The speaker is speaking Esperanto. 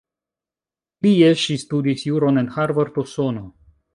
Plie ŝi studis juron en Harvard, Usono.